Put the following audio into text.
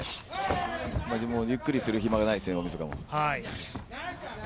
ゆっくりする暇がないですね、大みそかも。